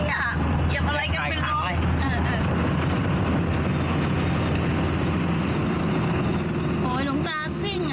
เหยียบอะไรกันเป็นร้อยและซ้ายค่ะ